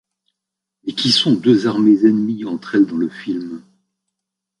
Mais qui sont deux armées ennemies entre elles dans le film.